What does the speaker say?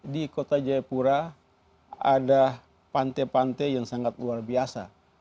di kota jayapura ada pantai pantai yang sangat luar biasa